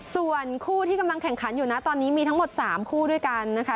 ส่วนคู่ที่กำลังแข่งขันอยู่นะตอนนี้มีทั้งหมด๓คู่ด้วยกันนะคะ